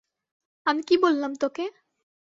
আমি কি বললাম তোকে?